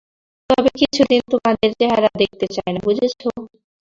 তবে কিছুদিন তোমাদের চেহারা দেখতে চাই না, বুঝেছ?